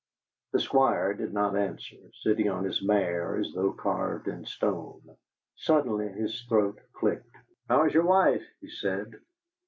The Squire 'did not answer, sitting on his mare as though carved in stone. Suddenly his throat clicked. "How's your wife?" he said.